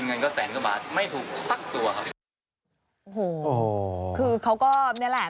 คุณพีชบอกไม่อยากให้เป็นข่าวดังเหมือนหวยโอนละเวง๓๐ใบจริงและก็รับลอตเตอรี่ไปแล้วด้วยนะครับ